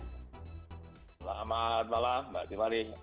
selamat malam mbak timari